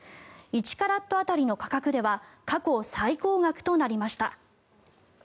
１カラット当たりの価格では過去最高額となりました。